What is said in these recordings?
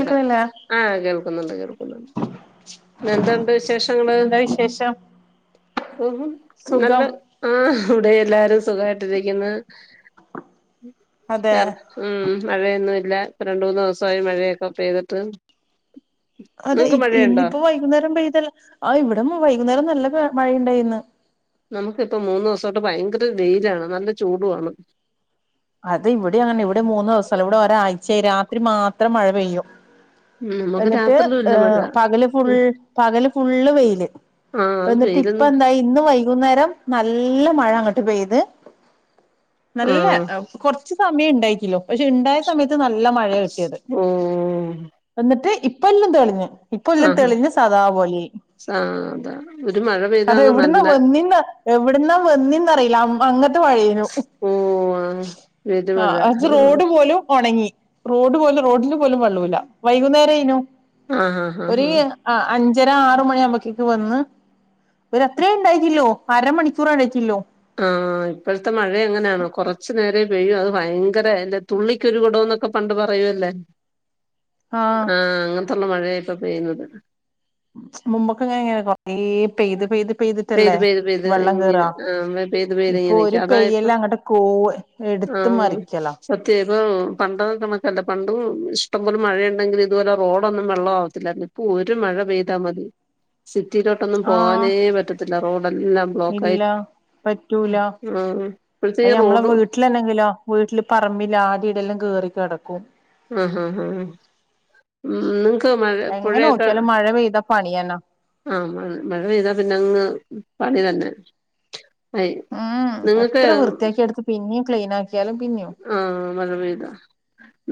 [unintelligible] ആഹ് കേൾക്കുന്നുണ്ട് കേൾക്കുന്നുണ്ട് പിന്ന എന്തോണ്ട് വിശേഷങ്ങള് എന്താ വിശേഷം ഉം നല്ല സുഖം ആഹ് ഇവിടെ എല്ലാരും സുഖായിട്ടിരിക്കുന്ന് അതെ ഊം മഴയൊന്നുല്ല രണ്ടൂന്ന് ദെവസായി മഴയൊക്കെ പെയ്തിട്ട് അതെ നിങ്ങക്ക് ഇ മഴയുണ്ടോ ഇന്നിപ്പോ വൈകുന്നേരം പെയ്തല്ല ആ ഇവിടം വൈകുന്നേരം നല്ല പെ മഴയുണ്ടായിന്ന് നമുക്കിപ്പ മൂന്നു ദിവസട്ട് ഭയങ്കര വെയിലാണ് നല്ല ചൂടു ആണ് അത് ഇവിടേ അങ്ങനെ ഇവിടെ മൂന്ന് ദെവസൊല്ല ഇവിടെ ഒരാഴ്ചായി രാത്രി മാത്രം മഴ പെയ്യും ഉം നമുക്ക് എന്നിട്ട് രാത്രിയിലും ഇല്ല മഴ ഏഹ് പകല് ഫുൾ ഉം പകല് ഫുള്ള് വെയില് ആഹ് അത് എന്നിട്ട് ഇപ്പ വയില്ന്ന് എന്തായി ഇന്ന് വൈകുന്നേരം നല്ല മഴ അങ്ങാട്ട് പയത് നല്ല ആഹ് [unintelligible] കുറച്ച് സമയം ഇണ്ടായിക്കില്ലോ പക്ഷെ ഇണ്ടായ സമയത്ത് നല്ല മഴയാ കിട്ടിയത് ഓഹ് എന്നിട്ട് ഇപ്പ എല്ലാ തെളിഞ്ഞു ഇപ്പ എല്ലാ ആഹ് തെളിഞ്ഞ് സദാ പോലെ ആയി ആഹ് അതാ ഒരു മഴ പെയ്താ അത് അങ്ങ് എവിടുന്നാ നല്ല വന്നേന്നാ എവിടുന്നാ വന്നേന്നറിയില്ല അമ്പങ [unintelligible] ത്തെ മഴേനു ഊവാ ആ അജ് റോഡ് പോലും ഒണങ്ങി റോഡ് പോലും റോഡില് പോലും വെള്ളൂല്ല വൈകുന്നേരേനു ആഹ് ആഹ് ഒര് ആഹ് ആ അഞ്ചര ആറു മണി ആ വുമ്പോത്തേക്ക് വന്ന് ഒരുത്രയും ഉണ്ടാക്കില്ലോ അരമണിക്കൂർ അഴച്ചില്ലോ ആഹ് ഇപ്പോഴത്തെ മഴ എങ്ങനെയണോ കൊറച്ചു നേരം പെയ്യൂ അത് ഭയങ്കര അയ്ന്റ തുള്ളി ക്കൊരു ഒരു കുടോന്നൊക്കെ പണ്ട് പറയോല്ലേ ആ ആഹ് അങ്ങനത്തൊള്ള മഴയാ ഇപ്പൊ പെയ്യുന്നത് മുമ്പൊക്കെ ഇങ്ങ എങ്ങനെ കൊറ ഈ പെയ്ത് പെയ്ത് പെയ്ത് പെയ്തിട്ടല്ലേ പെയ്ത് പെയ്ത് വെള്ളം ഇങ്ങ് കേറാ ആഹ് പെയ്ത് പെയ്ത് ഇപ്പൊ ഇങ്ങനെ ഒരു നിക്കും അതാ ഇപ്പൊ പെയ്യലങ്ങട്ട് കോവ് എടുത്ത് മറിക്കലാ മറ്റേത് പണ്ട് നമുക്കല്ല പണ്ടും ഇഷ്ടംപോലെ മഴയുണ്ടെങ്കില് ഇതുപോലെ റോഡൊന്നും വെള്ളം ആവത്തില്ലായിരുന്നു ഇപ്പ് ഇപ്പ ഒരു മഴ പെയ്താ മതി സിറ്റീലോട്ടൊന്നും ആ പോകാനേ പറ്റത്തില്ല റോഡ് എല്ലാം ബ്ലോക്ക് ആയി ഇല്ല പറ്റൂല ഇപ്പോഴത്തെ ഈ അയ്ന് ഞമ്മള റോഡ് വീട്ട വീട്ടിലാണെങ്കിലാ വീട്ടില് പറമ്പിലാദ്യ തെല്ലാം കേറി കെടക്കും ഉംഹുംഹുംഹും ഉം ഉം ഒന്നും കേ മഴ എങ്ങനെ പുഴേക്ക നോക്കിയാലും മഴ പെയ്താ പണിയന്നാ ആഹ് ആഹ് മഴ പെയ്താ പിന്നെ അങ്ങ് പണി തന്നെ ആയി ഉം നിങ്ങളിപ്പെ എത്ര ഊം വൃത്തിയാക്കി എടുത്ത് പിന്നെയും ക്ലീൻ ആക്കിയാലും പിന്നെയും ആഹ് നല്ല മഴ പെയ്താ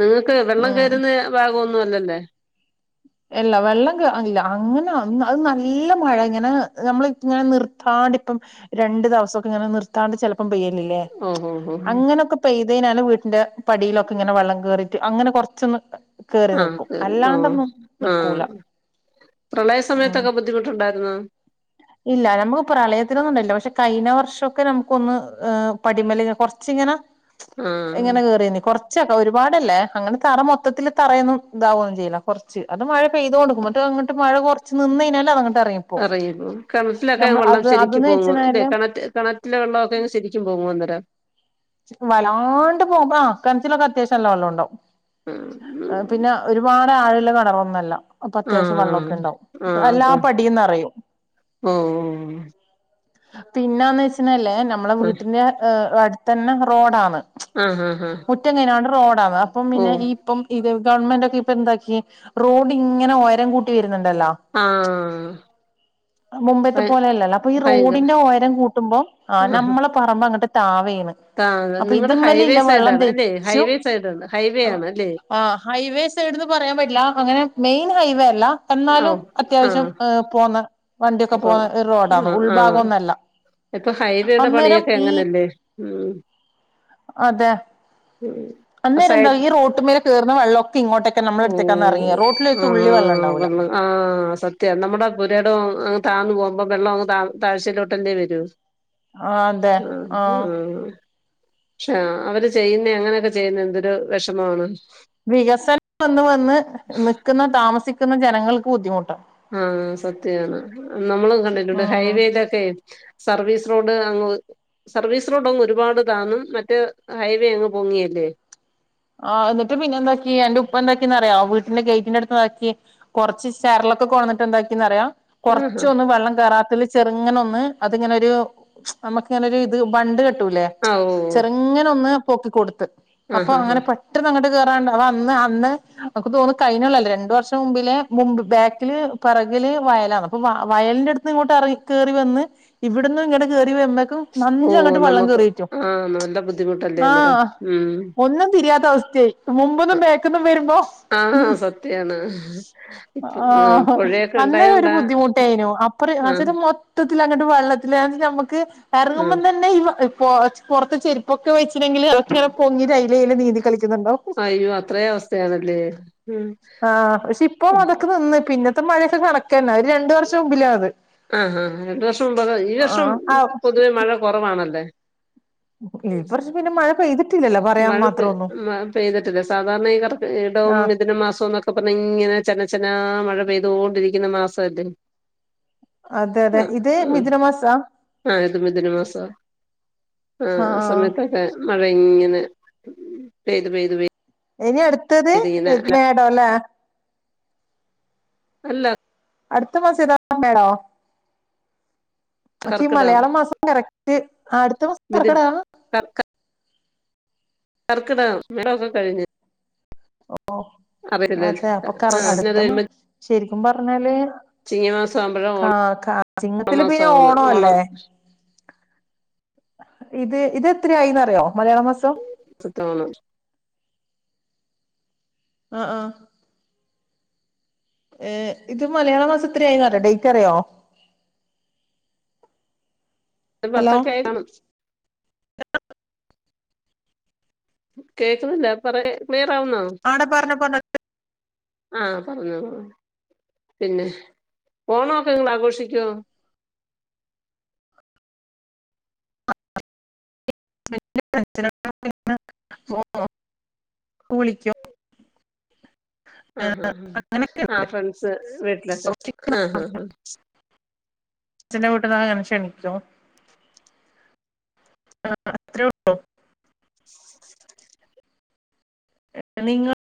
നിങ്ങൾക്ക് വെള്ളം ഉം കേറുന്ന ഭാഗൊന്നുഅല്ലല്ല ഇല്ല വെള്ളം കേ അങ്ങ ഇല്ല അങ്ങനെ അങ്ങ് അത് നല്ല മഴ ഇങ്ങനെ നമ്മള് ഇങ്ങനെ നിർത്താണ്ട് ഇപ്പം രണ്ടു ദെവസോക്കെ ഇങ്ങനെ നിർത്താണ്ട് ചെലപ്പം പെയ്യലില്ലേ ഓഹോ ഹോ അങ്ങനൊക്ക പെയ്തഴിഞ്ഞാല് വീട്ടന്റെ പടിയിലൊക്കെ ഇങ്ങനെ വെള്ളം കേറീട്ട് അങ്ങനെ കൊറച്ചൊന്ന് കേറി ആഹ് നിൽക്കും കേറി ഓഹ് അല്ലാണ്ടൊന്നും നിക്കൂല ആഹ് പ്രളയ ഉം സമയത്തൊക്കെ ബുദ്ധിമുട്ടുണ്ടാരുന്നോ ഇല്ല നമ്മള് പ്രളയത്തിനൊന്നും ഉണ്ടായിട്ടില്ല പക്ഷെ കഴിഞ്ഞ വർ ഷൊക്കെ നമുക്കൊന്ന് ഹ് പടിമല്ങ്ങന കൊറച്ചിങ്ങനെ ആഹ് ഇങ്ങനെ കേറിനി കൊറ ച്ചെക്ക ഒരുപാടല്ലേ അങ്ങനെ തറ മൊത്തത്തില് തറയൊന്നും ഇതാവൊന്നും ചെയ്യില്ല കൊറച്ച് അത് മഴ പെയ്ത് കൊടുക്കുമ്പ ഇ അങ്ങോട്ട് മഴ കുറച്ച് നിന്ന കഴഞ്ഞൽ അത് അങ്ങോ് ഇറങ്ങി പോവും ഇറങ്ങിപ്പോവും കിണത്തിലിലൊക്കെ വെള്ളം ശരിരിക്കക്ക് അതെന്ന് പോങ്ങല്ലേ വെച്ചഴിഞ്ഞാല് കണ കണ വില വെള്ളമൊക്കെങ് ശരിക്കും പോങ്ങുംന്നരം വല്ലാണ്ട് പോക ആ കിണച്ചിലൊക്കെ അത്യാവശ്യം നല്ല വെള്ളം ഉണ്ടാവും ആഹ് പിന്നെ ഒരുപാട് ആഴില് കണറൊന്നല്ല അപ്പൊ ആഹ് അത്യാവശ്യം വെള്ളമൊക്കെ ഉണ്ടാവും എല്ലാ പടിയന്ന നിറയും ഓ ഓ പിന്നാന്ന് വെച്ചല്ലേ നമ്മളെ ഓഹ് വീട്ടിന്റെ അടുത്ത തന്നെ റോഡാണ് ആഹ് ഹഹ ആഹ ഒറ്റങ്ങനെയാണ് റോഡാണ് അപ്പം പിന്നെ ഇപ്പം ഇത് ഗവൺമെന്റ്ൊക്കെ ഇപ്പൊ എന്താക്കി റോഡ് ഇങ്ങനെ ഒയരം കൂട്ടി വരുന്നുണ്ടല്ലോ ആഹ് മുംബൈത്തെ ഭയ പോലെയല്ലല്ലോ അപ്പൊ ഈ ഭയങ്കര റോഡിന്റെ യരം കൂട്ടുമ്പോ ആ് നമ്മള് പറമ്പോ അങ്ങോട്ട് താവയാണ് ആ നിങ്ങളുടെ ഹൈവേ സൈഡ ആാണ് അല്ലെ ഹൈവേ സൈഡണ് ഹൈവേ ആണ് അല്ലേ ആഹ് ഹൈവേ സൈഡന്ന് പറയാൻ പറ്റില്ല അങ്ങനെ മെയിൻ ഹൈവേ അല്ല ഓ എന്നാലും ആ അത്യാവശ്യം ഹ് പോുന്ന വണ്ടിയൊക്കെ പോുന്ന റോഡാ ആഹ് ഇപ്പൊ ഹൈവയുടെ അന്നേരം പണിയൊക്കെ ഈ എങ്ങനെയല്ലേ ഉ അതെ ഉം ആ അന്നേരം എന്താ സൈഡ് ഈ റോട്ടുമേലെ കേറുന്ന വെള്ളോക്കെ ഇങ്ങോട്ടൊക്കെ നമ്മ ഓ എടുത്തെക്കാന്ന എറങ്ങിയ റോട്ടിലൊരു തുള്ളി വെള്ളം ഉണ്ടാവൂലാ. ആഹ് സത്യവാ നമ്മുടെ പുരെടം അങ്ങ് താന്ന് പോകുമ്പോ വെള്ളം അങ്ങ് താ താഴ്ച്ചേലോട്ടല്ലേ വരൂ ആഹ് അതെ ആഹ് ആഹ് [unintelligible] അവര് ചെയ്യുന്നേ അങ്ങനെക്കെ ചെയ്യുന്നെ എന്തൊരു വെഷമവാണ് വികസനം വന്ന് വന്ന് നിക്കുന്ന താമസിക്കുന്ന ജനങ്ങൾക്ക് ബുദ്ധിമുട്ടാ ആഹ് സത്യവാണ് നമ്മളും കണ്ടിട്ടോണ്ട് ഉം ഹൈവേലെക്കെ സർവീസ് റോഡ് അങ്ങ് സർവീസ് റോഡ് അങ്ങ് ഒരുപാട് താന്നും മറ്റേ ഹൈവേ അങ്ങ് പൊങ്ങിയല്ലേ ആഹ് അന്നിട്ട് പിന്നെ എന്താക്കി എന്റെ ഉപ്പ എന്താക്കിന്ന്റിയാം വീട്ട്ന്റെ ഗേറ്റിന്റെടുത്ത് ഇതാക്കി കൊറച്ച് ചരളൊക്കെ കൊണ്ടന്നിട്ട് എന്താക്കിന്ന്റിയോ ആഹാ കൊറച്ചൊന്നും വെള്ളം കേറത്താ ചെറുങ്ങന ഒന്ന് അതിങ്ങനൊരു നമുക്കിങ്ങനെ ഒരു ഇത് ബണ്ട് കെട്ടൂല്ലേ ആഹ് ഓഹ് ഇങ്ങനെ ഒന്ന് പൊക്കി കൊടുത്ത് അപ്പോ ആഹ് അങ്ങനെ പെട്ടെന്ന് അങ്ങട്ട് കേറാണ്ട് അത് അന്ന് അന്ന് നമുക്ക് തോന്നും കഴിഞ്ഞുള്ളല്ലേ രണ്ടു വർഷം മുമ്പിലെ മുമ്പ് ബാക്കില് പിറകില് വയലാണ് അപ്പോ വയലിന്റെടു ന്ന് ഇങ്ങോട്ട് എറ കേറി വന്ന് ഇവിടന്ന് ഇങ്ങട്ട് കേറി വരു ക്കും നല്ല ഓഹ് അങ്ങട്ട് വെള്ളം നമുക്ക് കേറീറ്റും ആഹ് നല്ല ബുദ്ധിമുട്ടല്ലേ അന്നേരം ആഹ് ഉം ഒന്നും തിരിയാത്ത അവസ്ഥയായി മുമ്പുന്നും ബെക്കൊന്നും വരുമ്പോ ആഹ് സത്യാണ് ഇപ്പ ആഹ് പുഴയൊക്കെ അന്നേ ഒരു ഉണ്ടായോണ്ടാ ബുദ്ധിമുട്ടായിന്നു അ ആഹ് [unintelligible] മൊത്തത്തിൽ അങ്ങട്ട് വെള്ളത്തി നമുക്ക് ആഹ് എറങ്ങുമ്പം തന്നെ ഇ പൊ പൊറത്ത് ചെരുപ്പൊക്കെ വെച്ചിന്നെങ്കില് ഇതൊക്കെ ഇങ്ങനെ പൊങ്ങി അയിലെ ഇയിലെ നീന്തി കളിക്കുന്നുണ്ടാവും അയ്യോ അത്രേം അവസ്ഥയാണല്ലേ [unintelligible] പിന്നെ ത്തെ മഴയൊക്കെ കണക്കന്ന ഒരു രണ്ടു വർഷം മുമ്പിലാ അത് ആഹ് ആഹ് രണ്ടു വർഷം മുമ്പ് അതാ ഈ വർഷം ആഹ് ആഹ് പൊതുവെ മഴ കൊറവാണല്ല് ഈ വർഷം പിന്നെ മഴ പെയ്യ്തി മഴ പെയ് പെയ്തിട്ടില്ല സാധാരണ ഈ വർ ഇടവോം ആഹ് മിഥുന മാസോനോ ക്കെ പറഞ്ഞ ഇങ്ങനെ ചെന ചെന മഴ പെയ്തോണ്ടിരിക്കുന്ന മാസവല്ലേ അതെ അതെ ആഹ് ഇത് ആഹ് മിഥുന മാസാ ആഹ് ഇത് മിഥുനമാസവാ ആഹ് ആ സമയത്തൊക്കെ മഴ ഇങ്ങനെ പെയ്തു പെയ്തു പെയ് ഇനി അടുത്തത് മേടം അല്ലേ അല്ല അടുത്ത മാസം ഏതാ? മേടോ? [unintelligible] ഈ കർക്കിടകം മലയാള മാസം കറക്റ്റ് അടുത്ത മാസം കർക്കിടകാ? കാർക്ക കർക്കിടകം മേടം ഒക്കെ കഴിഞ്ഞ് ഓഹ് അറിയില്ല അതെ ആ അപ്പോ കറ് പിന്നെ അത് അടുത്ത കഴിയുമ്പോ ശെരിക്കും പറഞ്ഞാല് ചിങ്ങമാസം ആവുമ്പോഴാ കാ കാ ചിങ്ങത്തില് ഓണമാസം പിന്നെ ആവുന്നെ ഓണം അല്ലേ ഇത് ഇത് എത്രയായിന്നറിയോ മലയാള മാസം [unintelligible] ആഹ് ആഹ് ഏഹ് ഇത് മലയാള മാസം എത്ര ആയന്ന് അറിയാവോ ഡേറ്റ് അറിയാവോ? ഒരു ഹലോ പത്തൊക്കെ ആയി കാണും കേക്കുന്നില്ല പറ ക്ലിയറാവുന്നോ ആടെ പറഞ്ഞ പറഞ്ഞ ആഹ് പറഞ്ഞോ പിന്നെ ഓണവോക്കെ നിങ്ങള് ആഘോഷിക്കുവോ? [unintelligible] ഇപ്പൊ വിളിക്കും ആഹ് ആഹ് അങ്ങനെയൊക്കെ ആഹ് ആഹ് ഉണ്ട് ഫ്രണ്ട്സ് വീട്ടിലൊക്കെ ആഹ് ആഹ് ആഹ് [unintelligible] ആഹ് അത്രേ ഉള്ളു നിങ്ങള്